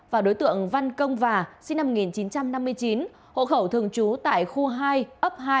và đối tượng văn công và sinh năm một nghìn chín trăm năm mươi chín hộ khẩu thường trú tại khu hai ấp hai